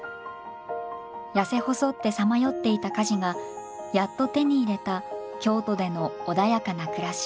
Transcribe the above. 痩せ細ってさまよっていたカジがやっと手に入れた京都での穏やかな暮らし。